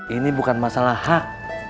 ini bukan masalah hak